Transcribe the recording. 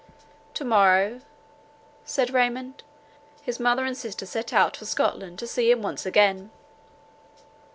"To morrow," said Raymond, "his mother and sister set out for Scotland to see him once again."